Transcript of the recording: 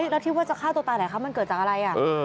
แล้วคิดว่าจะฆ่าตัวตายหลายครั้งมันเกิดจากอะไร